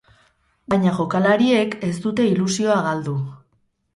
Baina jokalariek ez dute ilusioa galdu.